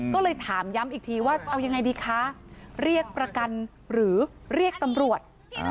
ก็เลยถามย้ำอีกทีว่าเอายังไงดีคะเรียกประกันหรือเรียกตำรวจ